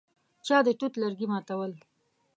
چا د توت لرګي ماتول.